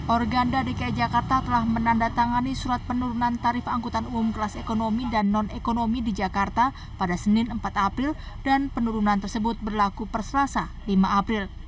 organda dki jakarta telah menandatangani surat penurunan tarif angkutan umum kelas ekonomi dan non ekonomi di jakarta pada senin empat april dan penurunan tersebut berlaku perserasa lima april